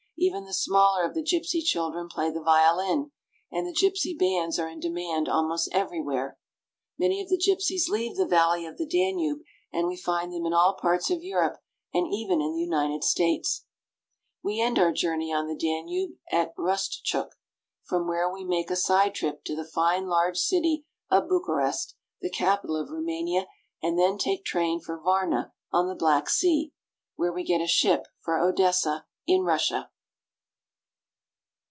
Even the smaller of the gypsy children play the violin, and the gypsy bands are in demand almost everywhere. Many of the gypsies leave the valley of the Danube, and we find them in all parts of Europe and even in the United States. We end our journey on the Danube at Rustchuk, from where we make a side trip to the fine large city of Bucha rest, the capital of Roumania, and then take train for Varna on the Black Sea, where we get a ship for Odessa, in Russia.